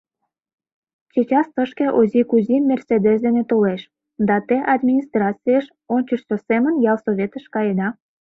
Чечас тышке Ози Кузи «Мерседес» дене толеш да те администрацийыш, ончычсо семын ялсоветыш, каеда.